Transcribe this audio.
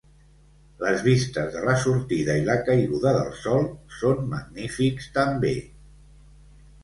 Les vistes de la sortida i la caiguda del Sol són magnífics també.